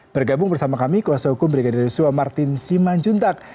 bergabung bersama kami kuasa hukum brigadir yosua martin siman juntak